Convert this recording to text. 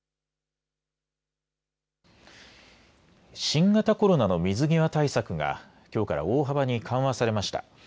新型コロナの水際対策がきょうから大幅に緩和されました。